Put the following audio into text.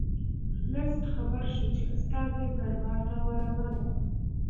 ورلسټ خبر شو چې استازي دربار ته ورغلي.